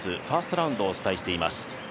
ファーストラウンドをお伝えしています。